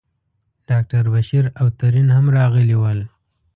ډاکټر بشیر او ترین هم راغلي ول.